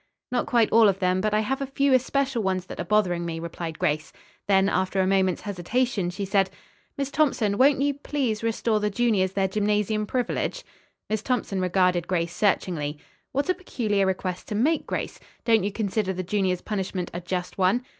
"Not quite all of them, but I have a few especial ones that are bothering me," replied Grace. Then after a moment's hesitation she said, "Miss Thompson, won't you, please, restore the juniors their gymnasium privilege?" Miss Thompson regarded Grace searchingly. "What a peculiar request to make, Grace. Don't you consider the juniors' punishment a just one?"